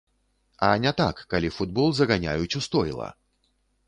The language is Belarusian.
А не так, калі футбол заганяюць у стойла!